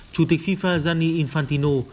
chủ tịch fifa gianni infantino